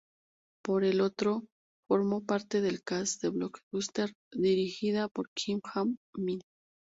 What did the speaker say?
Por el otro, formo parte del cast del blockbuster dirigida por Kim Han-min.